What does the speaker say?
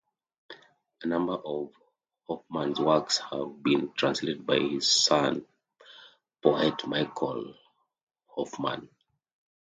A number of Hofmann's works have been translated by his son, poet Michael Hofmann.